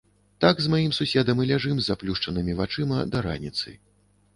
Так з маім суседам і ляжым з заплюшчанымі вачыма да раніцы.